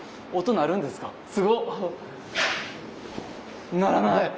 鳴らない！